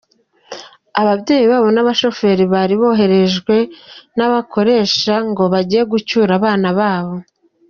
Ababyeyi babo n’abashoferi bari boherejwe n’abakoresha ngo bajye gucyura abana babo.